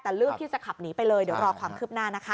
แต่เลือกที่จะขับหนีไปเลยเดี๋ยวรอความคืบหน้านะคะ